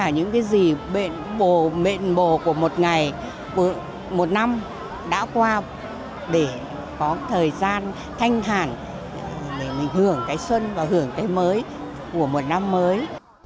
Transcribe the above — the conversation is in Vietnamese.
những cái gì mệnh bồ của một ngày một năm đã qua để có thời gian thanh hẳn để mình hưởng cái xuân và hưởng cái mới của một năm mới